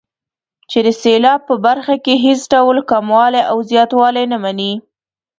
چې د سېلاب په برخه کې هېڅ ډول کموالی او زیاتوالی نه مني.